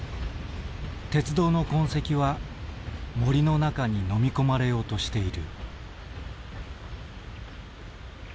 鉄道の痕跡は森の中にのみ込まれようとしている。